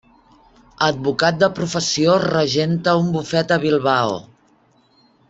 Advocat de professió, regenta un bufet a Bilbao.